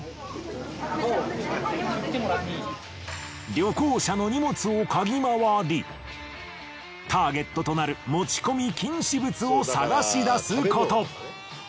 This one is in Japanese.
旅行者の荷物を嗅ぎまわりターゲットとなる持ち込み禁止物を探し出すこと。